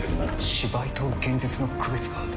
芝居と現実の区別がつかない！